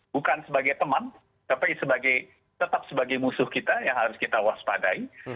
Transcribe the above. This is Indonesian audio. bukan sebagai teman tapi tetap sebagai musuh kita yang harus kita waspadai